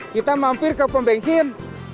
kita mampir ke pembencin